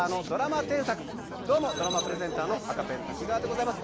どうもドラマプレゼンターの赤ペン瀧川でございます。